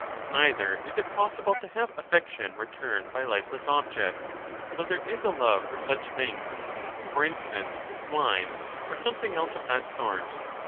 Neither is it possible to have affection returned by lifeless objects, though there is a love for such things, for instance wine or something else of that sort.